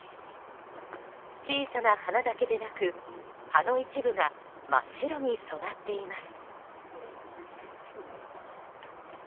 小さな花だけでなく葉の一部が真っ白に染まっています。